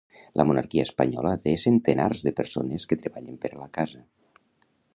La monarquia espanyola té centenars de persones que treballen per a la casa